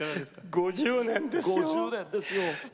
５０年ですよ。